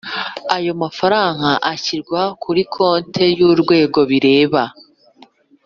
Ayo mafaranga ashyirwa kuri konti y’Urwego bireba